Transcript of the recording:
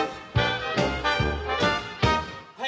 はい。